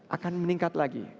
akan meningkat lagi